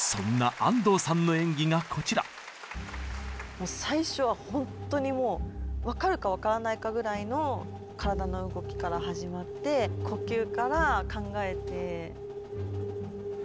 もう最初はほんとにもう分かるか分からないかぐらいの体の動きから始まって呼吸から考えて。